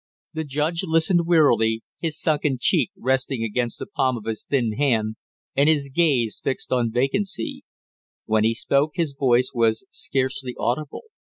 The judge listened wearily, his sunken cheek resting against the palm of his thin hand, and his gaze fixed on vacancy; when he spoke his voice was scarcely audible.